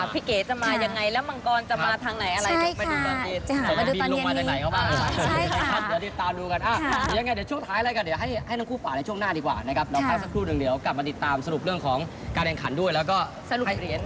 เก๋จะมายังไงแล้วมังกรจะมาทางไหนอะไร